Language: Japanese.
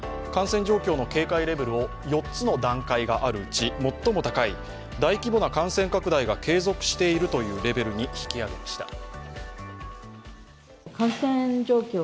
感染状況の警戒レベルを４つの段階があるうち、最も高い大規模な感染拡大が継続しているというレベルに引き上げました。